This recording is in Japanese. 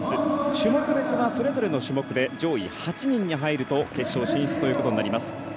種目別はそれぞれの種目で上位８人に入ると決勝進出ということになります。